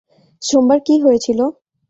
সোমবার কী হয়েছিল?